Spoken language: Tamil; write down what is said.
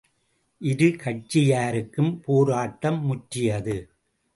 இரு கட்சியாருக்கும் போராட்டம் முற்றியது.